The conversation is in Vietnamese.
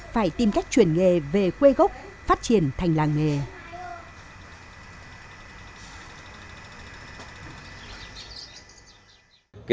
phải tìm cách chuyển nghề về quê gốc phát triển thành làng nghề